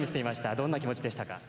どんな気持ちでしたか？